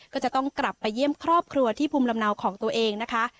ก็จะต้องกลับไปเยี่ยมครอบครัวที่ภูมิลำเนาของตัวเองนะคะ